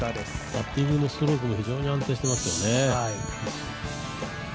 パッティングもストロークも非常に安定してますよね。